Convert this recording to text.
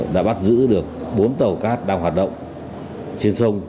đã bắt giữ được bốn tàu cát đang hoạt động trên sông